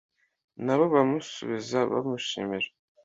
nabo bamusubiza bamushimira